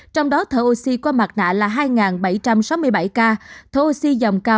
trong đó thở oxy qua mặt nạ là hai bảy trăm sáu mươi bảy ca